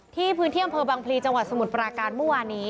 พื้นที่อำเภอบังพลีจังหวัดสมุทรปราการเมื่อวานี้